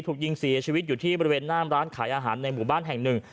ถูกยิงเสียชีวิตอยู่ที่บริเวณหน้ามร้านขายอาหารในหมู่บ้านแห่งหนึ่ง